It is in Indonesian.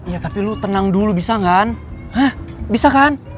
ya tapi lu tenang dulu bisa kan bisa kan